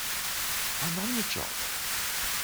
I'm on the job!